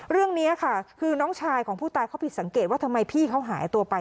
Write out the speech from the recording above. เรื่องนี้ค่ะคือน้องชายของผู้ตายเขาผิดสังเกตว่าทำไมพี่เขาหายตัวไป